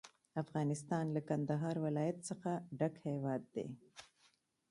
افغانستان له کندهار ولایت څخه ډک هیواد دی.